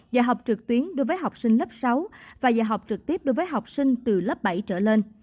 giờ học trực tuyến đối với học sinh lớp sáu và giờ học trực tiếp đối với học sinh từ lớp bảy trở lên